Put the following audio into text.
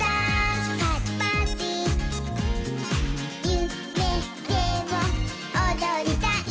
「ゆめでもおどりたい」